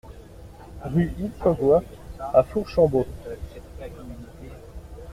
Rue Yves Cogoi à Fourchambault